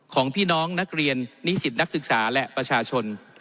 ของพี่น้องนักเรียนนิสิตนักศึกษาและประชาชน